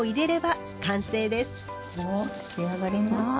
お出来上がりました。